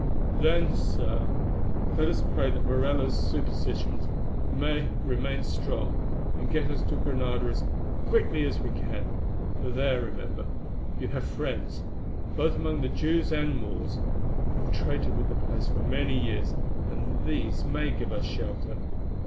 "Then, Sir, let us pray that Morella's superstitions may remain strong, and get us to Granada as quickly as we can, for there, remember, you have friends, both among the Jews and Moors, who have traded with the place for many years, and these may give us shelter.